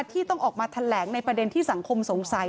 ที่ต้องออกมาแถลงในประเด็นที่สังคมสงสัย